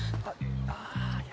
あいや。